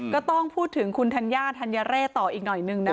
ก็ต้องพูดถึงคุณธัญญาธัญเร่ต่ออีกหน่อยนึงนะคะ